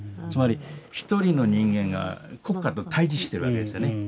つまり一人の人間が国家と対じしてるわけですよね。